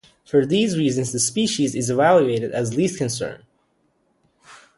For these reasons, the species is evaluated as Least Concern.